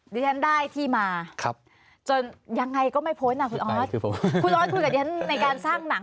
ดิฉันได้ที่มาครับจนยังไงก็ไม่พ้นอ่ะคุณออสคุณออสคุยกับดิฉันในการสร้างหนัง